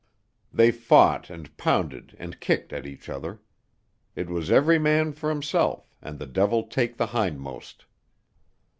They fought and pounded and kicked at each other. It was every man for himself and the Devil take the hindmost.